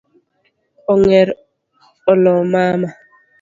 Ong’er olo mama